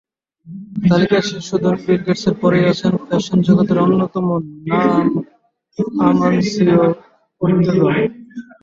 তালিকায় শীর্ষ ধনী বিল গেটসের পরেই আছেন ফ্যাশন জগতের অন্যতম নাম আমানসিও ওর্তেগা।